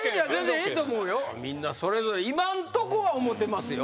みんなそれぞれ今んとこは思うてますよ。